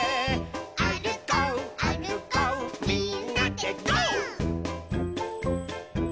「あるこうあるこうみんなでゴー！」